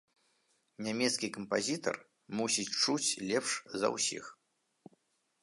Нямецкі кампазітар мусіць чуць лепш за ўсіх.